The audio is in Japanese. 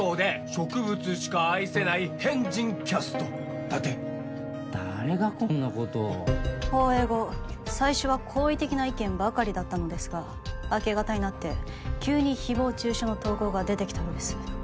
「植物しか愛せない変人キャスト」だって誰がこんなことを放映後最初は好意的な意見ばかりだったのですが明け方になって急に誹謗中傷の投稿が出てきたようです